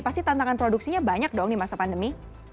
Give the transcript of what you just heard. pasti tantangan produksinya banyak dong di masa pandemi